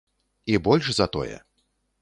І больш за тое.